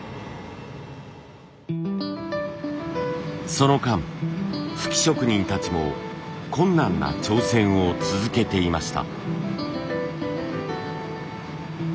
その間吹き職人たちも困難な挑戦を続けていました。